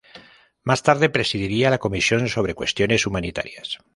Más tarde presidiría la Comisión sobre cuestiones humanitarias.